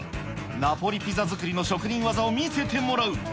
ナポリピザ作りの職人技を見せてもらう。